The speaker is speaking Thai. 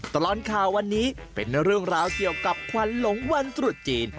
ตลอดข่าววันนี้เป็นเรื่องราวเกี่ยวกับควันหลงวันตรุษจีน